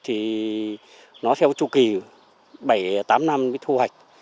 thì nó theo chu kỳ bảy tám năm mới thu hoạch